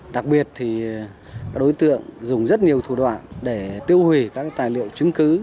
đặc biệt thì các đối tượng dùng rất nhiều thủ đoạn để tiêu hủy các tài liệu chứng cứ